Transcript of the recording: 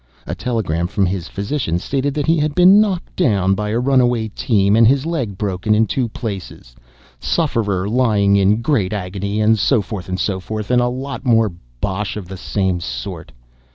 A telegram from his physician stated that he had been knocked down by a runaway team, and his leg broken in two places sufferer lying in great agony, and so forth, and so forth, and a lot more bosh of the same sort.